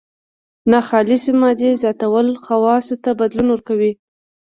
ناخالصې مادې زیاتول خواصو ته بدلون ورکوي.